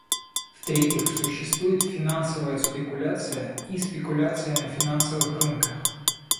В-третьих, существует финансовая спекуляция и спекуляция на финансовых рынках.